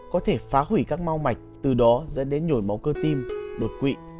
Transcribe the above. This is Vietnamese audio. có thể phá hủy các mau mạch từ đó dẫn đến nhồi máu cơ tim đột quỵ